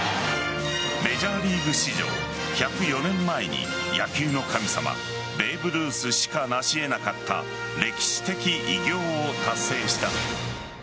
メジャーリーグ史上１０４年前に、野球の神様ベーブ・ルースしか成し得なかった歴史的偉業を達成した。